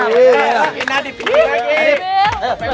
terima kasih bang